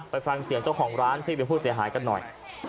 ไปฟังเสียงเจ้าของร้านที่เป็นผู้เสียหายกันหน่อย